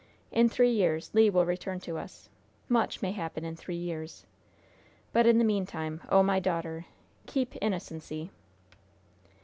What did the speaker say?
In three years Le will return to us. Much may happen in three years! But, in the meantime, oh, my daughter! 'keep innocency!'"